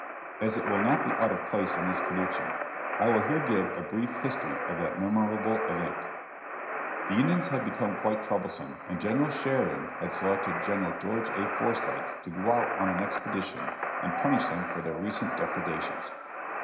As it will not be out of place in this connection, I will here give a brief history of that memorable event. [Illustration: GENERAL PHIL. SHERIDAN.] The Indians had become quite troublesome, and General Sheridan had selected General George A. Forsyth to go out on an expedition, and punish them for their recent depredations.